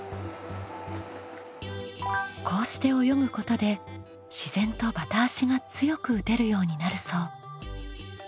こうして泳ぐことで自然とバタ足が強く打てるようになるそう。